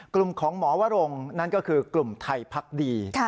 กลุ่มของหมอวรงนั่นก็คือกลุ่มไทยพักดี